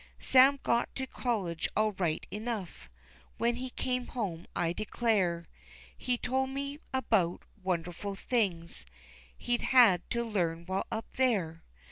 Sam got to college all right enough, When he came home I declare He told me about wonderful things He'd had to learn while up there.